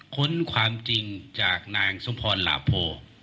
ค้นความจริงจากนางสมพรหลาโพ